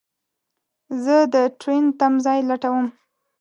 زه دټرين تم ځای لټوم